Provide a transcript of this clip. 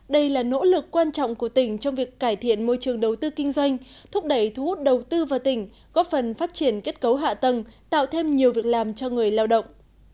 đây là nỗ lực quan trọng của tỉnh trong việc cải thiện môi trường đầu tư kinh doanh thúc đẩy thu hút đầu tư vào tỉnh góp phần phát triển kết cấu hạ tầng tạo thêm nhiều việc làm cho người lao động